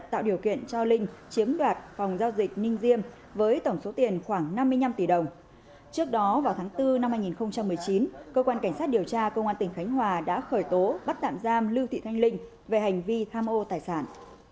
trước đó vào tháng bốn năm hai nghìn một mươi chín cơ quan cảnh sát điều tra công an tỉnh khánh hòa đã khởi tố bắt tạm giam lưu thị thanh linh về hành vi tham ô tài sản